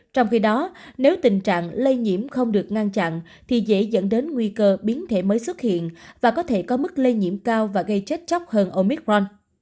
trong khi đó nếu tình trạng lây nhiễm không được ngăn chặn thì dễ dẫn đến nguy cơ biến thể mới xuất hiện và có thể có mức lây nhiễm cao và gây chết chóc hơn omicron